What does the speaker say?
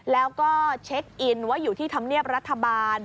แล้วก็เช็คอินว่าอยู่ที่ธรรมเนียบรัฐบาล